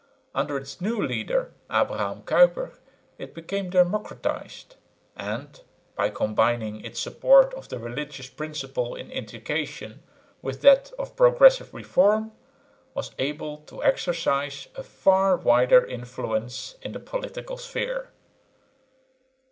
Under its new leader, Abraham Kuyper, it became democratised, and, by combining its support of the religious principle in education with that of progressive reform, was able to exercise a far wider influence in the political sphere.